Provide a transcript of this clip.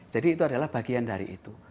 jadi itu adalah bagian dari itu